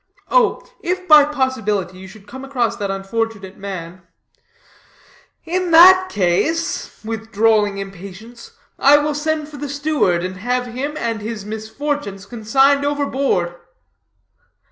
Oh, if by possibility you should come across that unfortunate man "" In that case," with drawling impatience, "I will send for the steward, and have him and his misfortunes consigned overboard."